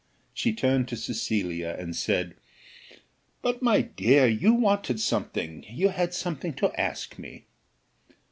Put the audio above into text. she turned to Cecilia, and said, "But, my dear, you wanted something; you had something to ask me."